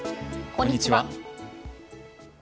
こんにちは。